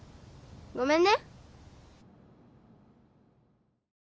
ごめんね